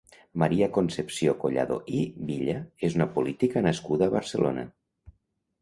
Maria Concepció Collado i Villa és una política nascuda a Barcelona.